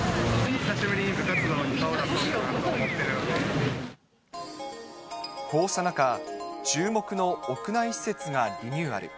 久しぶりに部活動に顔出そうこうした中、注目の屋内施設がリニューアル。